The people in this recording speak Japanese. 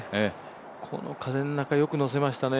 この風の中、よくのせましたね。